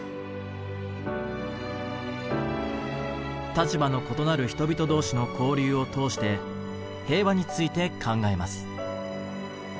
立場の異なる人々同士の交流を通して平和について考えます。